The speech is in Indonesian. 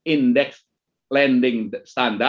indeks lending standar di industri perbankan